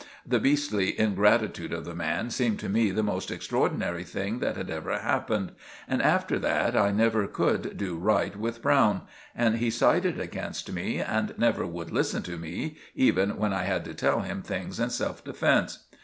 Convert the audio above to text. The beastly ingratitude of the man seemed to me the most extraordinary thing that had ever happened; and after that I never could do right with Browne, and he sided against me and never would listen to me, even when I had to tell him things in self defence.